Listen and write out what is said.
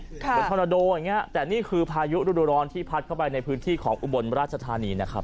เหมือนธอนาโดอย่างเงี้ยแต่นี่คือพายุฤดูร้อนที่พัดเข้าไปในพื้นที่ของอุบลราชธานีนะครับ